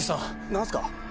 何すか？